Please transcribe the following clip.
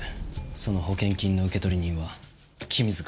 その保険金の受取人は君塚。